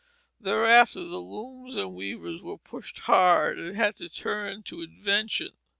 Thereafter the looms and weavers were pushed hard and had to turn to invention.